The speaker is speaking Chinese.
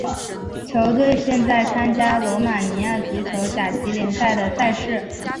球队现在参加罗马尼亚足球甲级联赛的赛事。